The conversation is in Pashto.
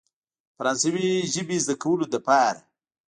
فرانسوي ژبې زده کولو لپاره.